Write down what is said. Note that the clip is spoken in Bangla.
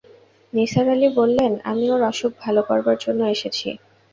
নিসার আলি বললেন, আমি ওর অসুখ ভালো করবার জন্যে এসেছি।